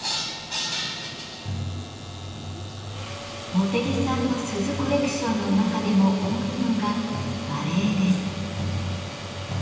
茂手木さんの鈴コレクションの中でも多いのが馬鈴です。